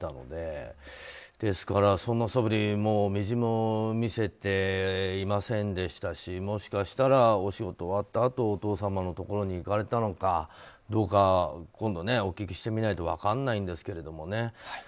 ですから、そんなそぶり微塵も見せていませんでしたしもしかしたらお仕事が終わったあとお父様のところに行かれたのか今度、お聞きしてみないと分かりませんけどね。